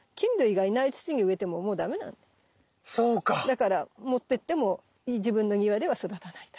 だから持ってっても自分の庭では育たないんだ。